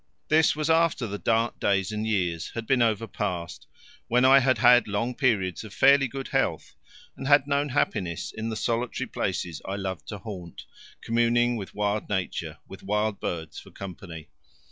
This was after the dark days and years had been overpass, when I had had long periods of fairly good health and had known happiness in the solitary places I loved to haunt, communing with wild nature, with wild birds for company.